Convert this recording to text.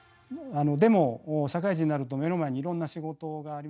でも社会人になると目の前にいろんな仕事がありますよね。